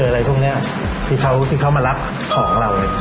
อะไรตรงเนี้ยที่เขาที่เขามารับของเราเลย